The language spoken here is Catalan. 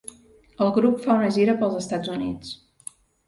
El grup fa una gira pels Estats Units.